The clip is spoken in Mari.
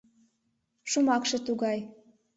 Шомакше тугай.